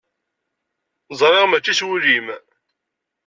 Ẓriɣ mačči s wul-im.